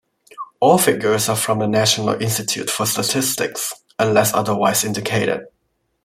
All figures are from the National Institute for Statistics unless otherwise indicated.